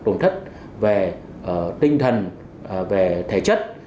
và tổn thất về tinh thần về thể chất